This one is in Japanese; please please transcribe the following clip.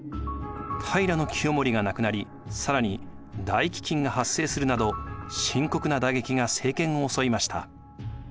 平清盛が亡くなり更に大飢饉が発生するなど深刻な打撃が政権を襲いました。